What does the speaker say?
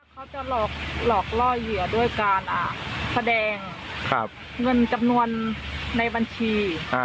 เขาจะหลอกล่อเหยื่อด้วยการแสดงเงินจำนวนในบัญชี